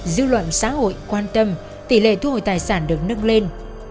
dư luận xã hội quan tâm tỷ lệ thu hồi tài sản được nâng lên